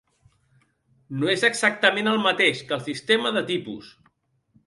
No és exactament el mateix que el sistema de tipus.